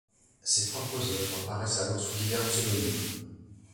Ses propres œuvres paraissent alors sous divers pseudonymes.